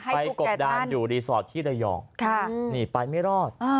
กบดานอยู่รีสอร์ทที่ระยองหนีไปไม่รอด